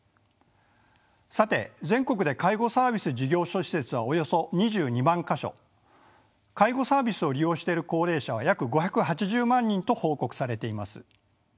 さて全国で介護サービス事業所・施設はおよそ２２万か所介護サービスを利用している高齢者は約５８０万人と報告されています。